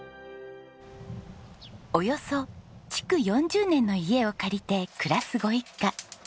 およそ築４０年の家を借りて暮らすご一家。